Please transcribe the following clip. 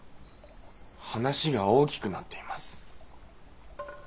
話が大きくなっています。